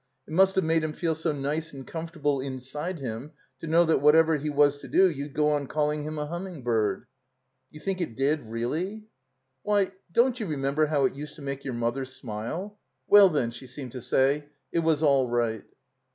It must have made him feel so nice and comfortable inside him to know that whatever he was to do you'd go on calling him a Humming bird." "D'you think it did— reelly?" "Why — don't you remember how it used to make your mother smile? Well, then." Well, then, she seemed to say, it was all right.